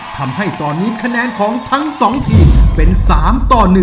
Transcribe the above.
ทำให้ตอนนี้คะแนนของทั้ง๒ทีมเป็น๓ต่อ๑